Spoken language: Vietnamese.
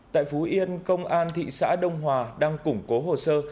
tại phú yên công an thị xã đông hòa đang củng cố hồ sơ